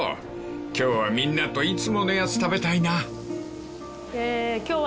［今日はみんなといつものやつ食べたいな］